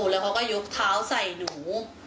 แล้วเขาก็ยกเท้าใส่หนู